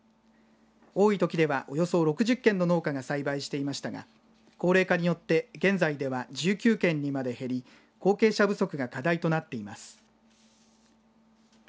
多いときではおよそ６０軒の農家が栽培していましたが高齢化によって現在では１９軒にまで減り後継者不足が課題となっています。